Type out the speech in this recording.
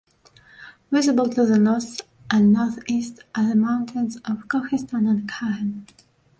Visible to the north and northeast are the mountains of Kohistan and Kaghan.